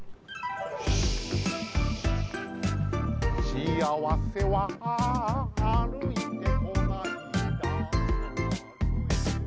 「しあわせは歩いてこない」